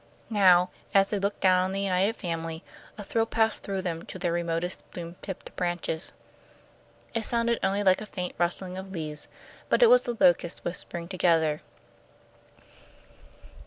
Now, as they looked down on the united family, a thrill passed through them to their remotest bloom tipped branches. It sounded only like a faint rustling of leaves, but it was the locusts whispering together.